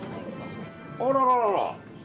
あらららら。